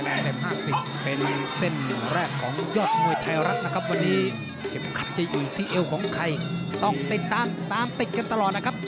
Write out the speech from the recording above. แนนแบบ๕๐เป็นเส้นแรกของยอดมวยไทยรัฐครับ